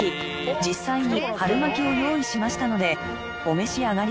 実際に春巻きを用意しましたのでお召し上がりください。